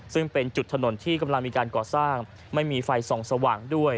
ซึ่งเป็นจุดถนนที่กำลังมีการก่อสร้างไม่มีไฟส่องสว่างด้วย